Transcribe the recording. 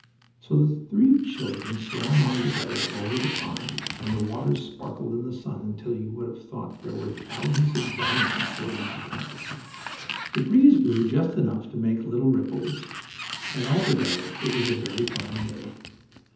So the three children swam on together over the pond, and the waters sparkled in the sun, until you would have thought there were thousands of diamonds floating on top. The breeze blew just enough to make little ripples, and altogether it was a very fine day.